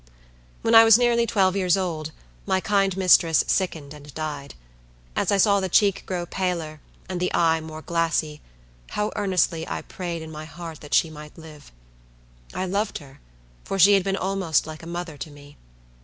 When I was nearly twelve years old, my kind mistress sickened and died. As I saw the cheek grow paler, and the eye more glassy, how earnestly I prayed in my heart that she might live! I loved her; for she had been almost like a mother to me.